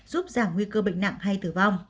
giúp giảm nguy cơ bệnh nặng hay tử vong